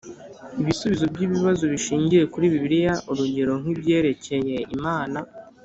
Ibisubizo by’ibibazo bishingiye kuri Bibiliya urugero nk’ibyerekeye Imana